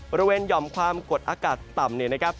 บริเวณหย่อมความกดอากาศต่ำ